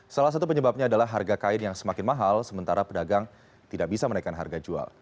salah satu penyebabnya adalah harga kain yang semakin mahal sementara pedagang tidak bisa menaikkan harga jual